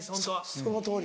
そのとおり。